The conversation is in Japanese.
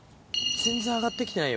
全然上がってきてないよ